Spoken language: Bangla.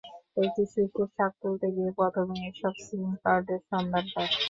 একটি শিশু শাক তুলতে গিয়ে প্রথমে এসব সিম কার্ডের সন্ধান পায়।